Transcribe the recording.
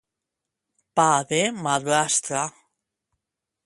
Pa de madrastra.